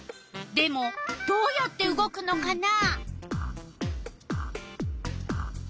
でもどうやって動くのかな？